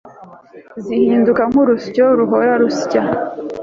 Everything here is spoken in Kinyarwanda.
zihinduka nkurusyo ruhora rusya